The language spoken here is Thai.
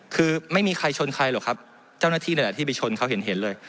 คือไม่มีใครชนใครหรอกครับเจ้าหน้าที่นั่นแหละที่ไปชนเขาเห็นเลย